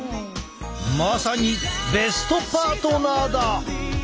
まさにベストパートナーだ！